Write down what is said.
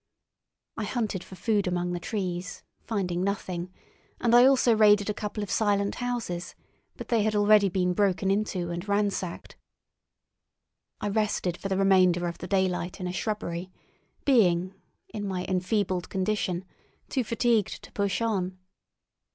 I hunted for food among the trees, finding nothing, and I also raided a couple of silent houses, but they had already been broken into and ransacked. I rested for the remainder of the daylight in a shrubbery, being, in my enfeebled condition, too fatigued to push on.